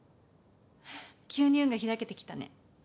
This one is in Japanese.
急に運が開けてきたね。